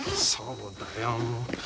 そうだよ。